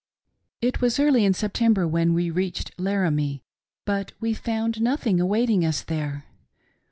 r T was early in September when we reached Laramie, but J[ we found nothing awaiting us there.